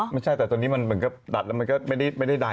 ไม่ใช่แต่ตอนนี้มันก็ดัดแล้วไม่ได้ใด